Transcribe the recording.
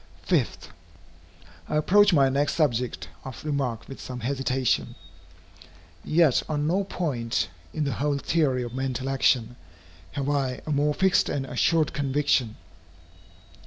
5. I approach my next subject of remark with some hesitation. Yet on no point, in the whole theory of mental action, have I a more fixed and assured conviction.